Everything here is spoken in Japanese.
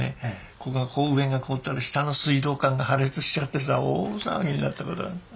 ここの上が凍ったら下の水道管が破裂しちゃってさ大騒ぎになったことがある。